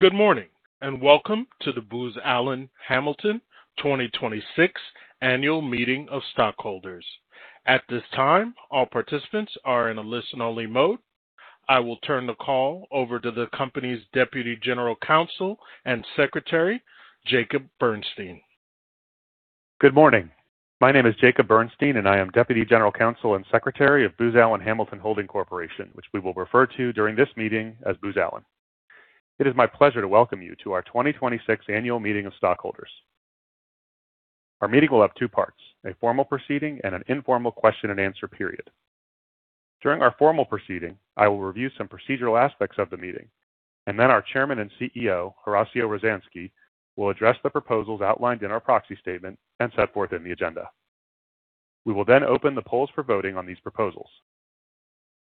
Good morning, welcome to the Booz Allen Hamilton 2026 annual meeting of stockholders. At this time, all participants are in a listen-only mode. I will turn the call over to the company's Deputy General Counsel and Secretary, Jacob Bernstein. Good morning. My name is Jacob Bernstein, I am Deputy General Counsel and Secretary of Booz Allen Hamilton Holding Corporation, which we will refer to during this meeting as Booz Allen. It is my pleasure to welcome you to our 2026 annual meeting of stockholders. Our meeting will have two parts, a formal proceeding and an informal question and answer period. During our formal proceeding, I will review some procedural aspects of the meeting, then our Chairman and Chief Executive Officer, Horacio Rozanski, will address the proposals outlined in our proxy statement and set forth in the agenda. We will open the polls for voting on these proposals.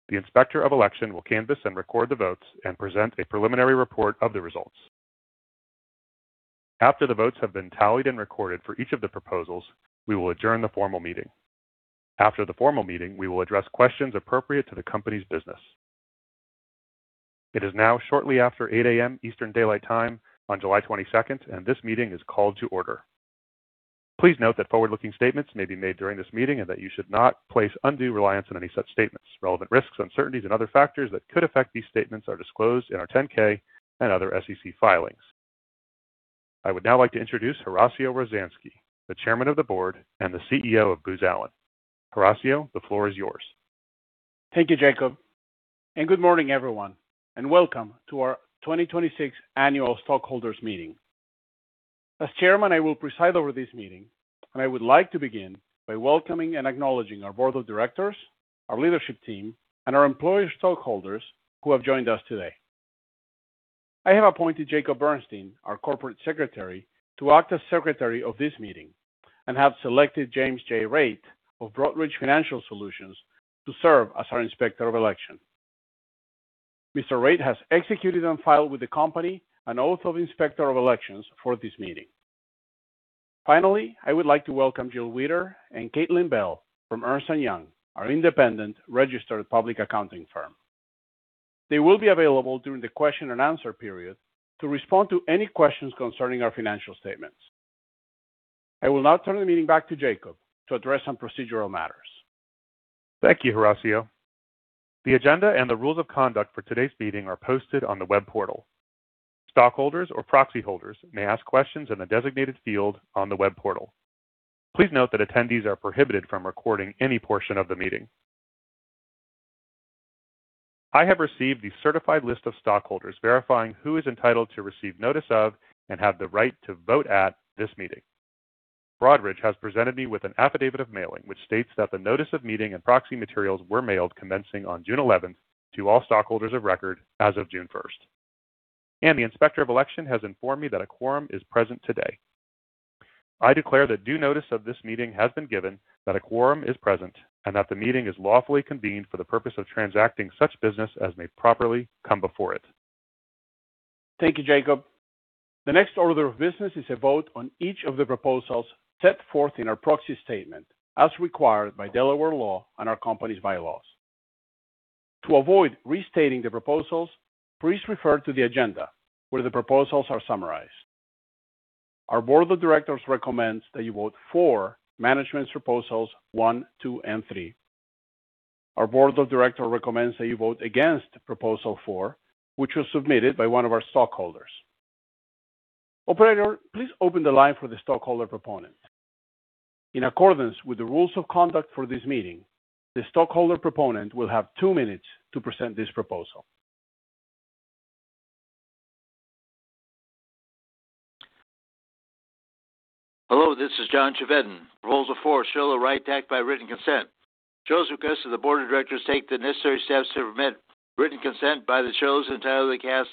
The Inspector of Election will canvass and record the votes and present a preliminary report of the results. After the votes have been tallied and recorded for each of the proposals, we will adjourn the formal meeting. After the formal meeting, we will address questions appropriate to the company's business. It is now shortly after 8:00 A.M. Eastern Daylight Time on July 22nd, this meeting is called to order. Please note that forward-looking statements may be made during this meeting that you should not place undue reliance on any such statements. Relevant risks, uncertainties, and other factors that could affect these statements are disclosed in our 10-K and other SEC filings. I would now like to introduce Horacio Rozanski, the Chairman of the Board and the Chief Executive Officer of Booz Allen. Horacio, the floor is yours. Thank you, Jacob, good morning, everyone, welcome to our 2026 annual stockholders meeting. As Chairman, I will preside over this meeting, I would like to begin by welcoming and acknowledging our board of directors, our leadership team, and our employee stockholders who have joined us today. I have appointed Jacob Bernstein, our Corporate Secretary, to act as Secretary of this meeting and have selected James J. Raitt of Broadridge Financial Solutions to serve as our Inspector of Election. Mr. Raitt has executed on file with the company an oath of Inspector of Elections for this meeting. Finally, I would like to welcome Jill Wheeler and Caitlin Bell from Ernst & Young, our independent registered public accounting firm. They will be available during the question and answer period to respond to any questions concerning our financial statements. I will now turn the meeting back to Jacob to address some procedural matters. Thank you, Horacio. The agenda and the rules of conduct for today's meeting are posted on the web portal. Stockholders or proxy holders may ask questions in the designated field on the web portal. Please note that attendees are prohibited from recording any portion of the meeting. I have received the certified list of stockholders verifying who is entitled to receive notice of and have the right to vote at this meeting. Broadridge has presented me with an affidavit of mailing, which states that the notice of meeting and proxy materials were mailed commencing on June 11th to all stockholders of record as of June 1st. The Inspector of Election has informed me that a quorum is present today. I declare that due notice of this meeting has been given, that a quorum is present, and that the meeting is lawfully convened for the purpose of transacting such business as may properly come before it. Thank you, Jacob. The next order of business is a vote on each of the proposals set forth in our proxy statement, as required by Delaware law and our company's bylaws. To avoid restating the proposals, please refer to the agenda, where the proposals are summarized. Our board of directors recommends that you vote for management's proposals one, two, and three. Our board of directors recommends that you vote against proposal four, which was submitted by one of our stockholders. Operator, please open the line for the stockholder proponent. In accordance with the rules of conduct for this meeting, the stockholder proponent will have two minutes to present this proposal. Hello, this is John Chevedden. Proposal 4, shareholder right to act by written consent. Shareholders request that the board of directors take the necessary steps to permit written consent by the shareholders entitled to cast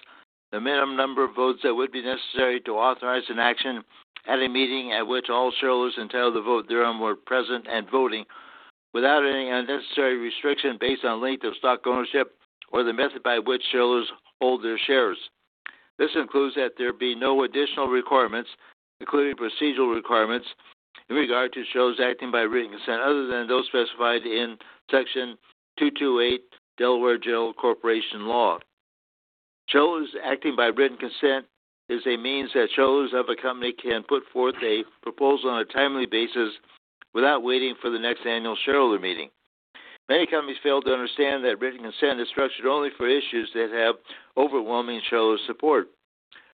the minimum number of votes that would be necessary to authorize an action at a meeting at which all shareholders entitled to vote therein were present and voting, without any unnecessary restriction based on length of stock ownership or the method by which shareholders hold their shares. This includes that there be no additional requirements, including procedural requirements, in regard to shareholders acting by written consent other than those specified in Section 228, Delaware General Corporation Law. Shareholders acting by written consent is a means that shareholders of a company can put forth a proposal on a timely basis without waiting for the next annual shareholder meeting. Many companies fail to understand that written consent is structured only for issues that have overwhelming shareholder support.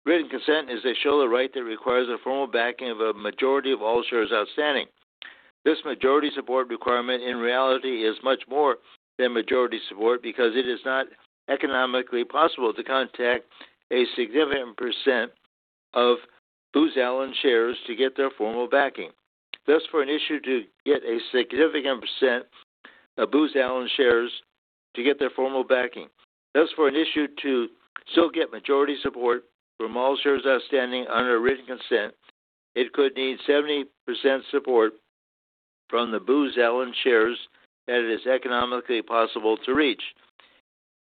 Written consent is a shareholder right that requires the formal backing of a majority of all shares outstanding. This majority support requirement in reality is much more than majority support because it is not economically possible to contact a significant percent of Booz Allen shares to get their formal backing. Thus, for an issue to still get majority support from all shares outstanding under a written consent, it could need 70% support from the Booz Allen shares that it is economically possible to reach.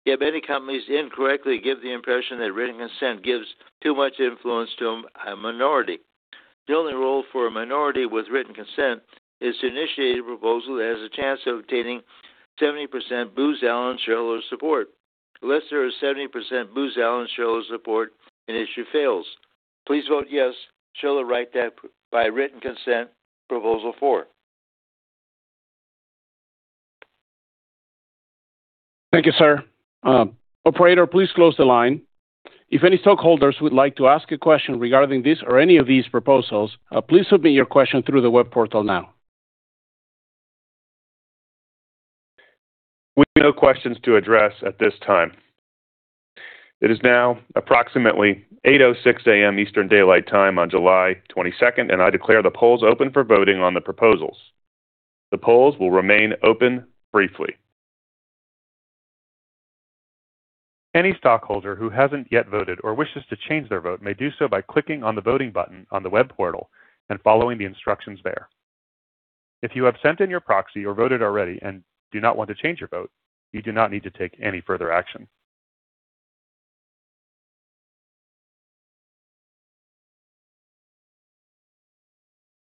Many companies incorrectly give the impression that written consent gives too much influence to a minority The only role for a minority with written consent is to initiate a proposal that has a chance of obtaining 70% Booz Allen shareholder support. Unless there is 70% Booz Allen shareholder support, an issue fails. Please vote yes, shareholder right by written consent, proposal four. Thank you, sir. Operator, please close the line. If any stockholders would like to ask a question regarding this or any of these proposals, please submit your question through the web portal now. We have no questions to address at this time. It is now approximately 8:06 A.M. Eastern Daylight Time on July 22nd, and I declare the polls open for voting on the proposals. The polls will remain open briefly. Any stockholder who hasn't yet voted or wishes to change their vote may do so by clicking on the voting button on the web portal and following the instructions there. If you have sent in your proxy or voted already and do not want to change your vote, you do not need to take any further action.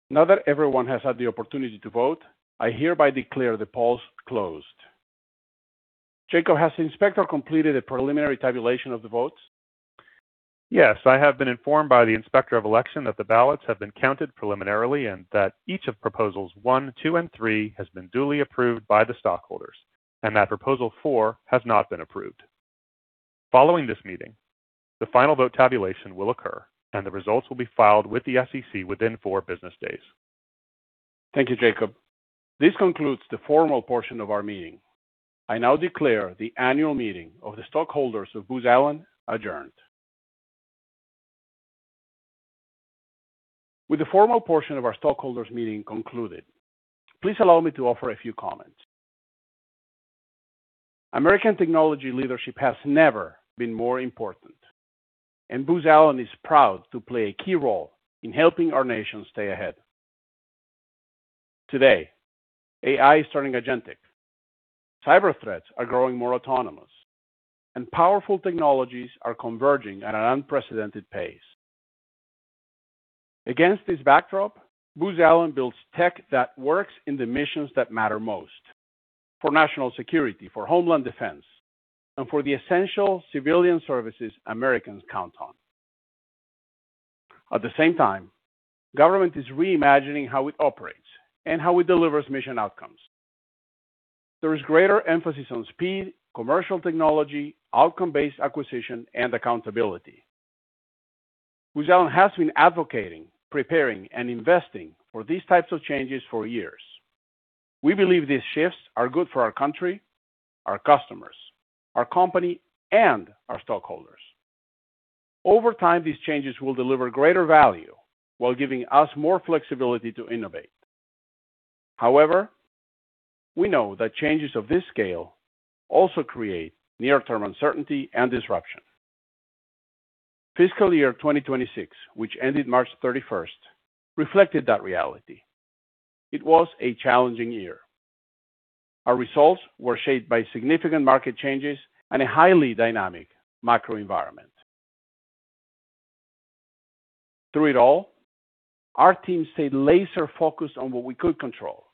Now that everyone has had the opportunity to vote, I hereby declare the polls closed. Jacob, has the Inspector completed a preliminary tabulation of the votes? Yes, I have been informed by the Inspector of Election that the ballots have been counted preliminarily and that each of Proposal 1, Proposal 2, and Proposal 3 has been duly approved by the stockholders, and that Proposal 4 has not been approved. Following this meeting, the final vote tabulation will occur, and the results will be filed with the SEC within four business days. Thank you, Jacob. This concludes the formal portion of our meeting. I now declare the annual meeting of the stockholders of Booz Allen adjourned. With the formal portion of our stockholders meeting concluded, please allow me to offer a few comments. American technology leadership has never been more important, and Booz Allen is proud to play a key role in helping our nation stay ahead. Today, AI is turning agentic. Cyber threats are growing more autonomous, and powerful technologies are converging at an unprecedented pace. Against this backdrop, Booz Allen builds tech that works in the missions that matter most for national security, for homeland defense, and for the essential civilian services Americans count on. At the same time, government is reimagining how it operates and how it delivers mission outcomes. There is greater emphasis on speed, commercial technology, outcome-based acquisition, and accountability. Booz Allen has been advocating, preparing, and investing for these types of changes for years. We believe these shifts are good for our country, our customers, our company, and our stockholders. Over time, these changes will deliver greater value while giving us more flexibility to innovate. However, we know that changes of this scale also create near-term uncertainty and disruption. Fiscal year 2026, which ended March 31st, reflected that reality. It was a challenging year. Our results were shaped by significant market changes and a highly dynamic macro environment. Through it all, our team stayed laser-focused on what we could control.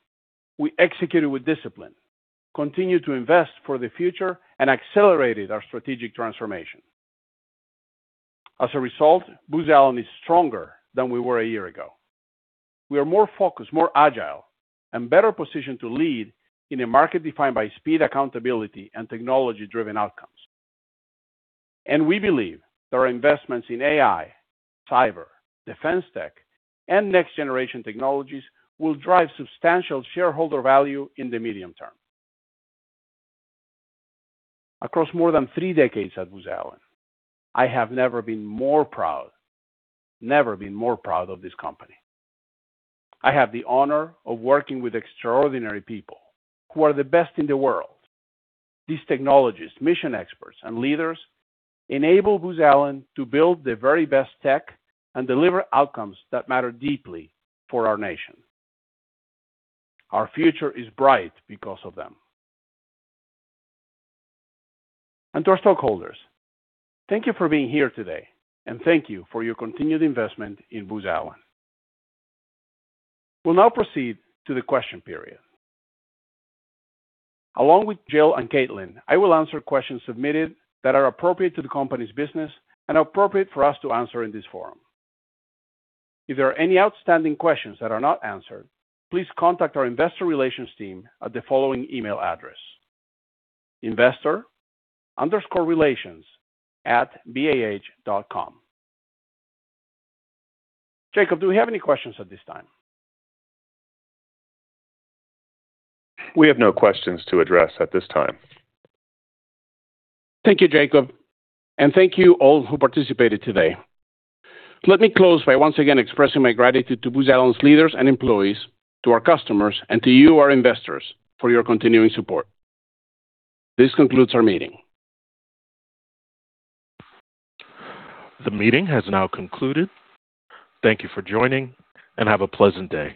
We executed with discipline, continued to invest for the future, and accelerated our strategic transformation. As a result, Booz Allen is stronger than we were a year ago. We are more focused, more agile, and better positioned to lead in a market defined by speed, accountability, and technology-driven outcomes. We believe that our investments in AI, cyber, defense tech, and next-generation technologies will drive substantial shareholder value in the medium term. Across more than three decades at Booz Allen, I have never been more proud of this company. I have the honor of working with extraordinary people who are the best in the world. These technologists, mission experts, and leaders enable Booz Allen to build the very best tech and deliver outcomes that matter deeply for our nation. Our future is bright because of them. To our stockholders, thank you for being here today, and thank you for your continued investment in Booz Allen. We'll now proceed to the question period. Along with Jill and Caitlin, I will answer questions submitted that are appropriate to the company's business and appropriate for us to answer in this forum. If there are any outstanding questions that are not answered, please contact our investor relations team at the following email address, investor_relations@bah.com. Jacob, do we have any questions at this time? We have no questions to address at this time. Thank you, Jacob. Thank you all who participated today. Let me close by once again expressing my gratitude to Booz Allen's leaders and employees, to our customers, and to you, our investors, for your continuing support. This concludes our meeting. The meeting has now concluded. Thank you for joining, and have a pleasant day.